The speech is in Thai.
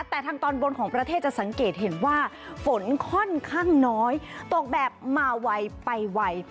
แต่ทางตอนบนของประเทศจะสังเกตเห็นว่าฝนค่อนข้างน้อยตกแบบมาไวไปไว